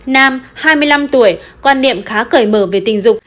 nam hai mươi năm tuổi quan niệm khá cởi mở về tình dục